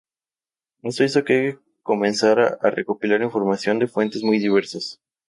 Esto hizo que comenzara a recopilar información de fuentes muy diversas.